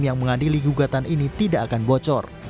yang mengadili gugatan ini tidak akan bocor